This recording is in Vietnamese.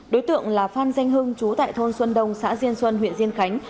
đối tượng là phan danh hưng chú tại thôn xuân đông xã diên xuân huyện diên khánh